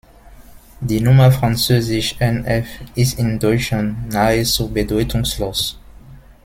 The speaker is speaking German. Die Nummer französisch "Nf" ist in Deutschland nahezu bedeutungslos.